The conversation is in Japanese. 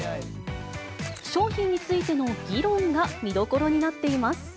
商品についての議論が見どころになっています。